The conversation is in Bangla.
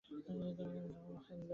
আমাকে ফিটজরয়ের ফাইল দাও।